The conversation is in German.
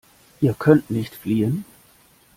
Ihr könnt nicht fliehen.